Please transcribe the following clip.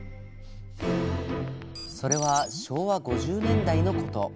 それは昭和５０年代のこと。